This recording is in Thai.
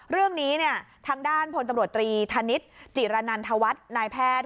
เรื่องนี้เนี่ยทางด้านพลตำรวจตรีธนิษฐ์จิรนันทวัฒน์นายแพทย์